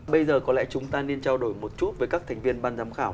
bây giờ có lẽ chúng ta nên trao đổi một chút với các thành viên ban giám khảo